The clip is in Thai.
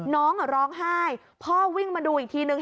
น้องร้องไห้พ่อวิ่งมาดูอีกทีนึง